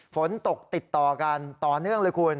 ฝนตกติดต่อกันต่อเนื่องเลยคุณ